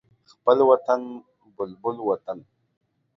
خپل وطن بلبل وطن